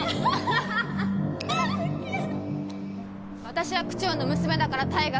私は区長の娘だから退学。